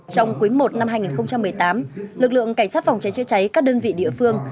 trong quý i năm hai nghìn một mươi tám lực lượng cảnh sát phòng cháy chữa cháy các đơn vị địa phương